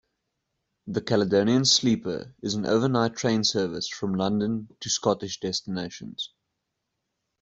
The Caledonian Sleeper is an overnight train service from London to Scottish destinations.